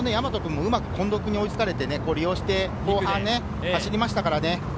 大和君もうまく近藤に追いつかれて、利用して、後半走りましたからね。